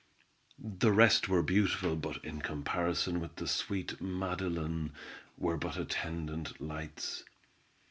The rest were beautiful, but in comparison with the sweet Madeline were but attendant lights.